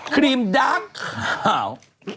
คลีมดากขาว